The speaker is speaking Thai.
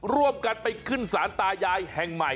ร่วมกันไปขึ้นศาลตายายแห่งใหม่